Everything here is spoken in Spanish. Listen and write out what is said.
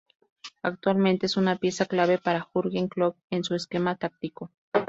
Actualmente es una pieza clave para Jürgen Klopp en su esquema táctico.